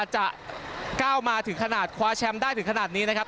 จะก้าวมาถึงขนาดคว้าแชมป์ได้ถึงขนาดนี้นะครับ